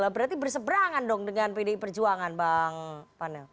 berarti berseberangan dong dengan pdi perjuangan bang panel